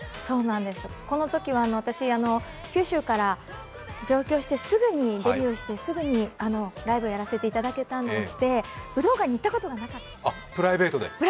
このときは私、九州から上京してデビューして、すぐにライブやらせていただけたので武道館に行ったことがなかったんです、プライベートで。